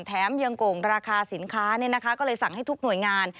แถมยังโก่งราคาสินค้าก็เลยสั่งให้ทุกหน่วยงาน